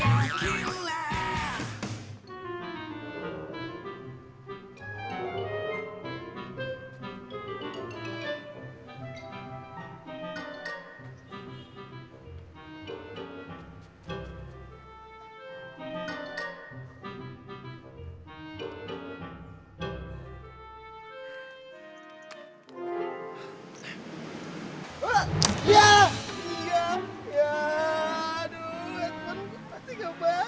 aduh mati gabak